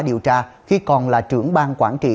điều tra khi còn là trưởng bang quản trị